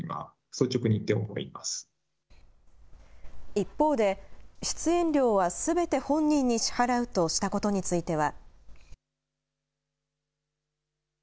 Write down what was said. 一方で出演料はすべて本人に支払うとしたことについては。